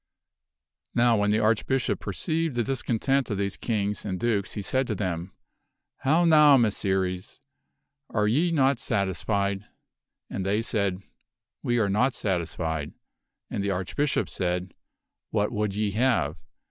Now when the Archbishop perceived the discontent of these kings and dukes, he said to them, " How now, Messires ! Are ye not satisfied ?" And they said, " We are not satisfied." And the Archbishop said, " What would ye have?"